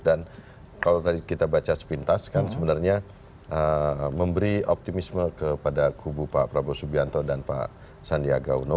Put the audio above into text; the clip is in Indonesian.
dan kalau tadi kita baca sepintas kan sebenarnya memberi optimisme kepada kubu pak prabowo subianto dan pak sandiaga uno